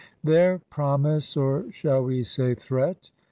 Their promise or shall we say threat?